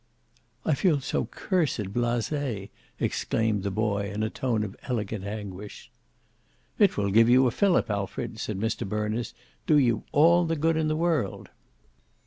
"I feel so cursed blase!" exclaimed the boy in a tone of elegant anguish. "It will give you a fillip, Alfred," said Mr Berners; "do you all the good in the world."